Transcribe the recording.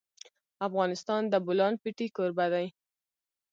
افغانستان د د بولان پټي کوربه دی.